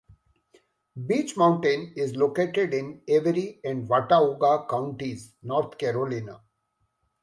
Beech Mountain is Located in Avery and Watauga Counties, North Carolina.